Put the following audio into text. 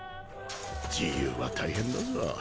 自由は大変だぞ。